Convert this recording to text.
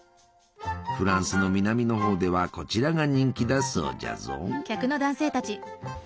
フランスの南のほうではこちらが人気だそうじゃぞ。